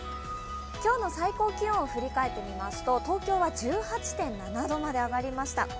今日の最高気温を振り返ってみますと東京は１８．７度まで上がりました。